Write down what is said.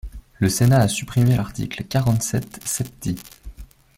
Le Sénat a supprimé l’article quarante-sept septies.